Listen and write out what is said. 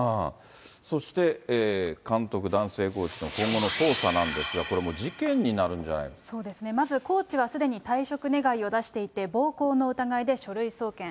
そして、監督、男性コーチの今後の捜査なんですが、そうですね、まずコーチはすでに退職願を出していて、暴行の疑いで書類送検。